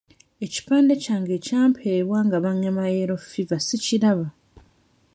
Ekipande kyange ekyampeebwa nga bangema yellow fever sikiraba.